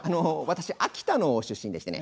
私秋田の出身でしてね。